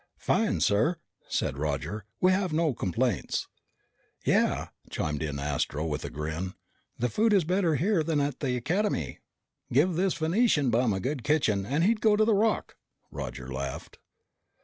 "Fine, sir," said Roger. "We have no complaints." "Yeah," chimed in Astro with a grin. "The food is better here than at the Academy!" "Give this Venusian bum a good kitchen and he'd go to the Rock!" Roger laughed.